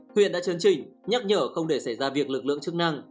huyện đã chấn chỉnh nhắc nhở không để xảy ra việc lực lượng chức năng